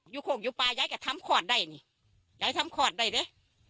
อยู่โค้กอยู่ปลาย้ายก็ทำขอดทำขอดได้ดิย้ายทำขอดได้ดิ